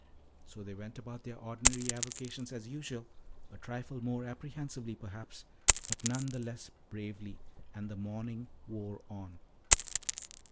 So they went about their ordinary avocations as usual, a trifle more apprehensively perhaps, but none the less bravely, and the morning wore on.